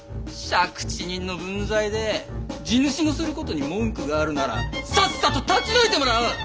借地人の分際で地主のすることに文句があるならさっさと立ち退いてもらおう！